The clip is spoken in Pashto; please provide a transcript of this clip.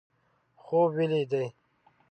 خوب ولیدي.